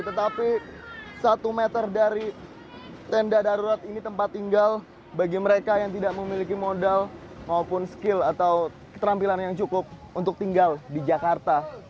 tetapi satu meter dari tenda darurat ini tempat tinggal bagi mereka yang tidak memiliki modal maupun skill atau keterampilan yang cukup untuk tinggal di jakarta